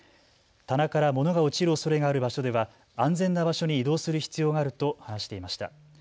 棚から物が落ちるおそれがある場所では安全な場所に移動する必要があると話していました。